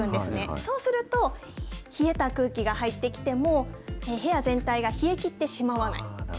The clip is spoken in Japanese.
そうすると、冷えた空気が入ってきても、部屋全体が冷え切ってしまわない。